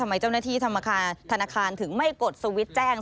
ทำไมเจ้าหน้าที่ธนาคารถึงไม่กดสวิตช์แจ้ง